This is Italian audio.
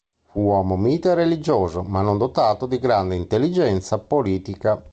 Fu uomo mite e religioso, ma non dotato di grande intelligenza politica.